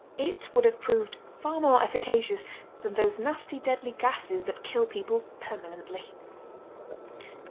It would have proved far more efficacious than those nasty deadly gases that kill people permanently.